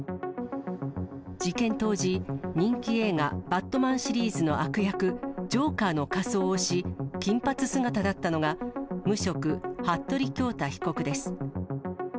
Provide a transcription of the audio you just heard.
事件当時、人気映画、バットマンシリーズの悪役、ジョーカーの仮装をし、金髪姿だったのが、無職、服部恭太被告です。